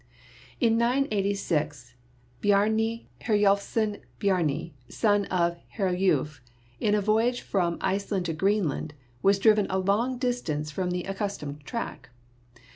In 986 Bjarni Herjulfson Bjarni, the son of Herjulf, in a voyage from Iceland to Greenland, was driven a long distance from the accustomed track.